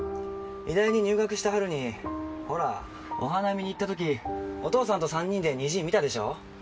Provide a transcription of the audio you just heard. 医大に入学した春にほらお花見に行った時お父さんと３人で虹見たでしょ？